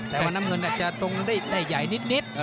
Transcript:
แต่ว่าน้ำเงินอาจจะตรงได้ใหญ่นิด